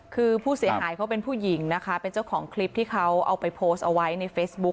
คือผู้เสียหายเขาเป็นผู้หญิงนะคะเป็นเจ้าของคลิปที่เขาเอาไปโพสต์เอาไว้ในเฟซบุ๊ค